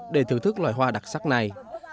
để thưởng thức loài hoa đặc sắc này